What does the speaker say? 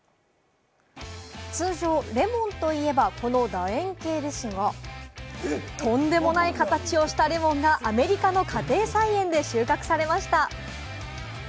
通常、レモンといえばこの楕円形ですが、とんでもない形をしたレモンがアメリカの家庭菜園で収穫されました。